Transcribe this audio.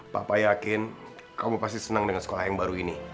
papa yakin kamu pasti senang dengan sekolah yang baru ini